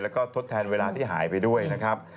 แล้วก็ทดแทนเวลาที่หายไปด้วยนะครับ